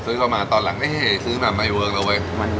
ซื้อเข้ามาตอนหลังนี้ซื้อมาไม่เวิร์คแล้วเว้ย